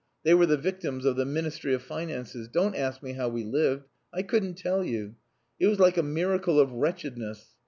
They were the victims of the Ministry of Finances. Don't ask me how we lived. I couldn't tell you. It was like a miracle of wretchedness.